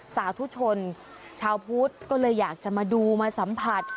สาธุชนชาวพุทธก็เลยอยากจะมาดูมาสัมผัส